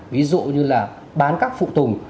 ví dụ như là bán các phụ tùng